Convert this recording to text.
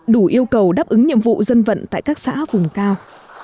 đủ yêu cầu đáp ứng nhiệm vụ dân vận tại các xã vùng cao